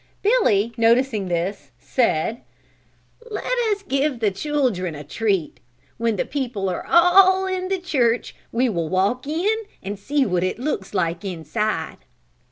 Billy noticing this, said, "Let us give the children a treat. When the people are all in the church we will walk in and see what it looks like inside."